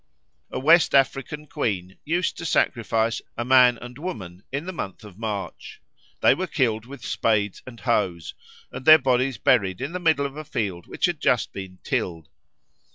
A West African queen used to sacrifice a man and woman in the month of March. They were killed with spades and hoes, and their bodies buried in the middle of a field which had just been tilled.